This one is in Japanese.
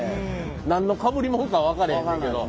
何のかぶりもんか分からへんねんけど。